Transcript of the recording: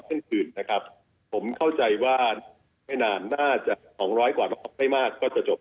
เกาะสวทชให้หยุดพักไปก่อน